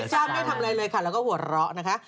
พี่เพชรจ้าไม่ได้ทำอะไรเลยค่ะเราก็หัวเราะนะคะ